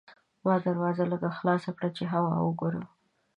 ما دروازه لږه خلاصه کړه چې هوا وګورم.